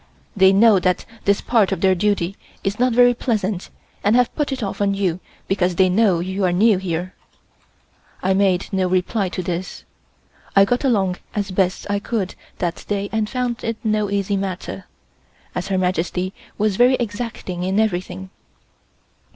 They know that this part of their duty is not very pleasant and have put it off on you because they know you are new here." I made no reply to this. I got along as best I could that day and found it no easy matter, as Her Majesty was very exacting in everything.